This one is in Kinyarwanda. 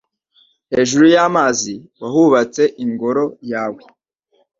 Hejuru y’amazi wahubatse Ingoro yawe